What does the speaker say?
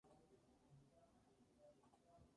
La sede del condado es Shelby.